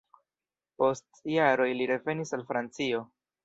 Post jaroj li revenis al Francio.